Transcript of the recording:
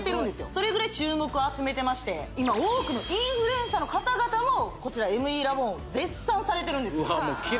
それぐらい注目を集めてまして今多くのインフルエンサーの方々もこちらＭＥラボンを絶賛されてるんですようわ